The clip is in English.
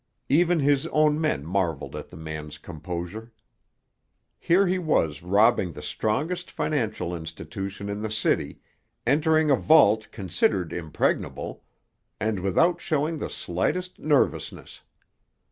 Even his own men marveled at the man's composure. Here he was robbing the strongest financial institution in the city, entering a vault considered impregnable, and without showing the slightest nervousness.